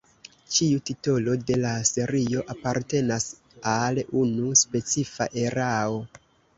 Ĉiu titolo de la serio apartenas al unu specifa erao.